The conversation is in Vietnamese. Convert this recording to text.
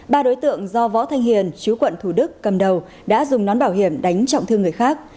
ba đối tượng do võ thanh hiền chú quận thủ đức cầm đầu đã dùng nón bảo hiểm đánh trọng thương người khác